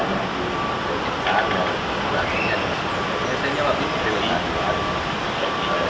yang diperlukan saya nyawabin ke pemirsa jokowi